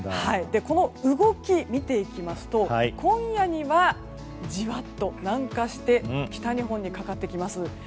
この動き、見ていきますと今夜にはじわっと南下して北日本にかかってきます。